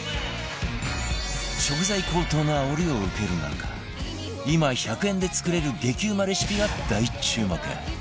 食材高騰のあおりを受ける中今１００円で作れる激うまレシピが大注目！